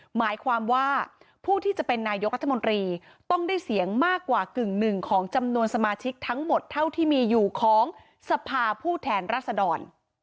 หมายความว่าผู้ที่จะเป็นนายกรัฐมนตรีต้องได้เสียงมากกว่ากึ่งหนึ่งของจำนวนสมาชิกทั้งหมดเท่าที่มีอยู่ของสภาผู้แทนรัศดร